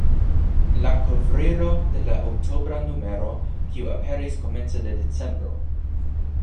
La kovrilo de la oktobra numero, kiu aperis komence de decembro.